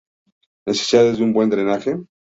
Necesidades de un buen drenaje.